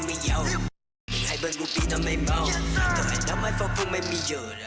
เพราะถึงต้องตั้งใจทำแบบนี้